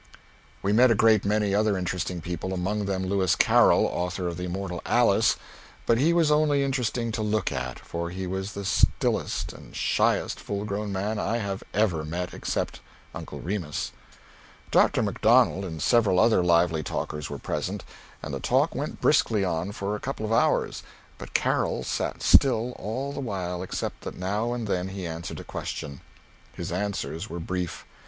We met a great many other interesting people, among them Lewis Carroll, author of the immortal "Alice" but he was only interesting to look at, for he was the stillest and shyest full grown man I have ever met except "Uncle Remus." Dr. Macdonald and several other lively talkers were present, and the talk went briskly on for a couple of hours, but Carroll sat still all the while except that now and then he answered a question. His answers were brief.